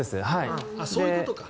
そういうことか。